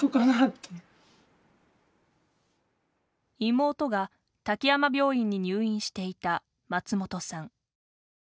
妹が滝山病院に入院していた松本さん。